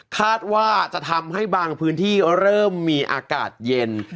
คาดว่าจะทำให้บางพื้นที่เริ่มมีอากาศเย็น